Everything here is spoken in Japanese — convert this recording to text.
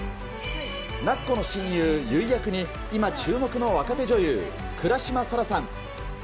夏子の親友、結衣役に今、注目の若手女優、倉島颯良さん。